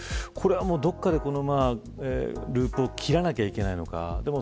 どこかでこのループを切らないといけないのか。